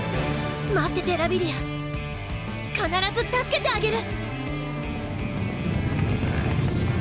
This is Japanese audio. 待っててラビリア必ず助けてあげる！